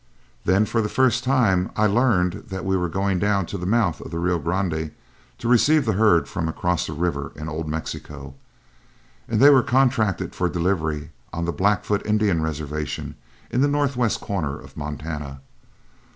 Then, for the first time, I learned that we were going down to the mouth of the Rio Grande to receive the herd from across the river in Old Mexico; and that they were contracted for delivery on the Blackfoot Indian Reservation in the northwest corner of Montana.